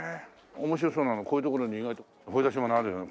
面白そうなのこういうところに意外と掘り出し物あるよね。